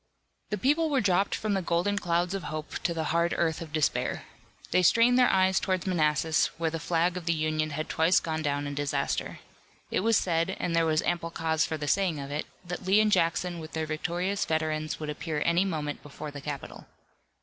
The people were dropped from the golden clouds of hope to the hard earth of despair. They strained their eyes toward Manassas, where the flag of the Union had twice gone down in disaster. It was said, and there was ample cause for the saying of it, that Lee and Jackson with their victorious veterans would appear any moment before the capital.